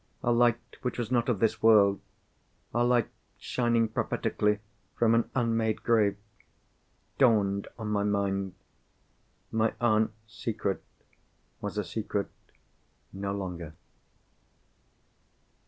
A light which was not of this world—a light shining prophetically from an unmade grave—dawned on my mind. My aunt's secret was a secret no longer.